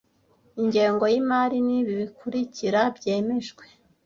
ingengo y imari ni ibi bikurikira byemejwe